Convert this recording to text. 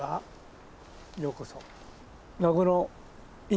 ようこそ。